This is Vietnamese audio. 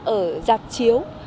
ở giạc chiếu